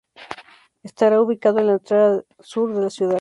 Estará ubicado en la entrada sur de la ciudad.